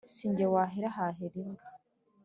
si jye wahera hahera imbwa